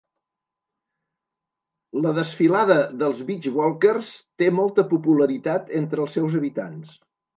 La desfilada dels Beach Walkers té molta popularitat entre els seus habitants.